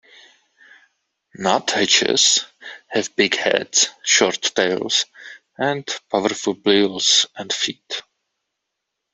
Nuthatches have big heads, short tails, and powerful bills and feet.